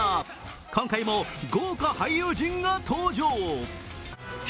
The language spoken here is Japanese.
今回も豪華俳優陣が登場！